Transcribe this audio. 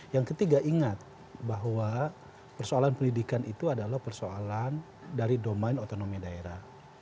yang ketiga ingat bahwa persoalan pendidikan itu adalah persoalan dari domain otonomi daerah